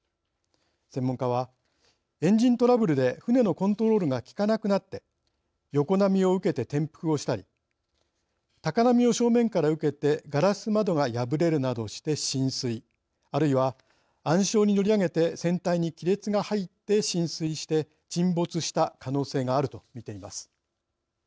専門家は、エンジントラブルで船のコントロールが効かなくなって横波を受けて転覆をしたり高波を正面から受けてガラス窓が破れるなどして浸水あるいは、暗礁に乗り上げて船体に亀裂が入って浸水して沈没した可能性があると見ています。